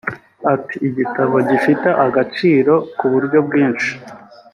Ati “Igitabo gifite agaciro ku buryo bwinshi